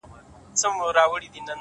• په سپورمۍ كي ستا تصوير دى ـ